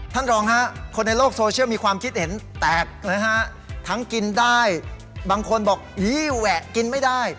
ท่านรองฮะคนในโลกโซเชียลมีความคิดเห็นแตกนะฮะทั้งกินได้บางคนบอกยี่แหวะกินไม่ได้